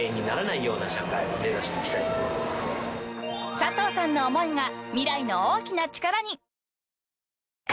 ［佐藤さんの思いが未来の大きな力に］